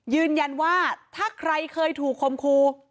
ยืนยันว่าถ้าใครเคยถูกคมครู